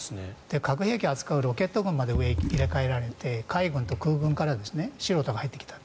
核兵器を扱うロケット軍まで上が入れ替えられて海軍と空軍から素人が入ってきた。